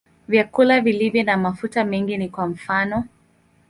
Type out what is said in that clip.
Vyakula vilivyo na mafuta mengi ni kwa mfano.